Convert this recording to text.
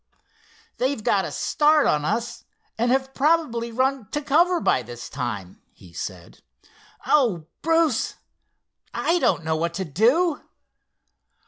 "They've got a start of us, and have probably run to cover by this time," he said. "Oh, Bruce! I don't know what to do!"